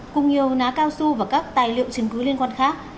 cùng nhiều ná cao su và các tài liệu chứng cứ liên quan khác